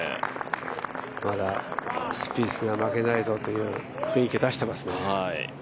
まだスピースには負けないぞという雰囲気を出してますね。